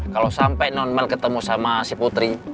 kalo sampe non mail ketemu sama si putri